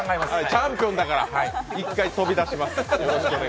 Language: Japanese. チャンピオンだから１回、飛び出します。